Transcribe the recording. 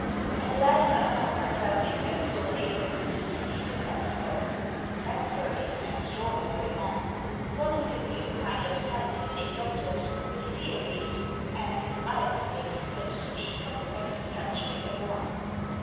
At last I found myself in next door neighbourhood to Stephen Bensberg. Bensberg is an extraordinary man — one of the new kind of scientific doctors, with theories, and his eyes fixed, so to speak, on the next century but one.